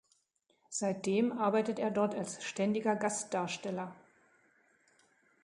Seitdem arbeitet er dort als ständiger Gastdarsteller.